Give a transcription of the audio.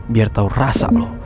biar tau rasa lo